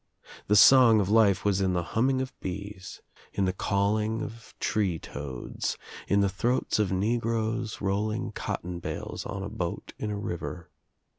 The song of life was in the humming of bees, in the calling of tree toads, in the throats of negroes rolling cotton bales on a boat in a river.